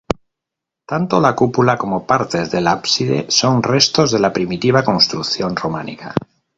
Tanto la cúpula como partes del ábside son restos de la primitiva construcción románica.